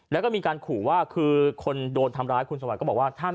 แล้วก็มีการขู่ว่าคือคนโดนทำร้ายคุณสวัสดิก็บอกว่า